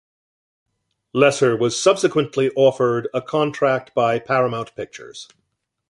Loesser was subsequently offered a contract by Paramount Pictures.